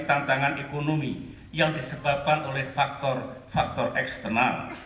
tantangan ekonomi yang disebabkan oleh faktor faktor eksternal